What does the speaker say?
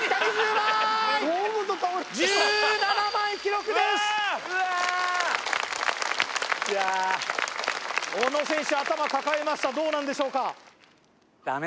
うわ小野選手頭抱えましたどうなんでしょうか？